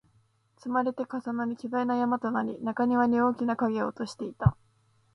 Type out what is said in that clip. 積まれて、重なり、巨大な山となり、中庭に大きな影を落としていた